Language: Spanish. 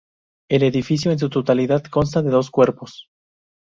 El edificio en su totalidad consta de dos cuerpos.